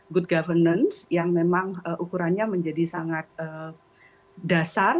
good governance yang memang ukurannya menjadi sangat dasar